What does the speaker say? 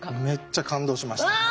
めっちゃ感動しました。